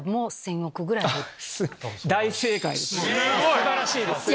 素晴らしいです。